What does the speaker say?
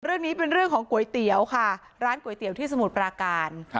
เรื่องนี้เป็นเรื่องของก๋วยเตี๋ยวค่ะร้านก๋วยเตี๋ยวที่สมุทรปราการ